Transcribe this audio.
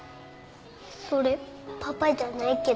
それパパじゃないけど。